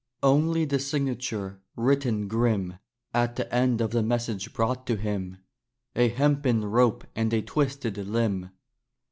Only the signature, written grim At the end of the message brought to him A hempen rope and a twisted limb.